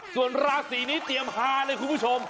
ส่วนราศีนี้เตรียมฮาเลยคุณผู้ชม